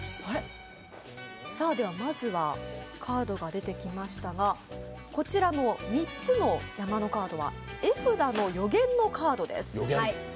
まずはカードが出てきましたがこちらの３つの山のカードは絵札の予言のカードです。